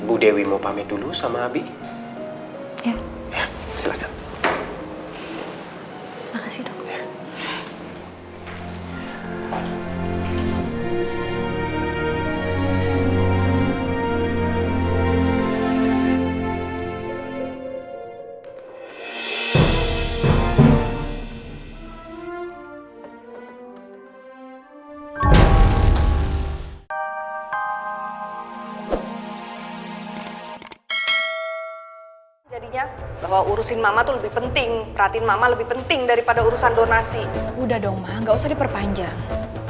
udah dong ma nggak usah diperpanjang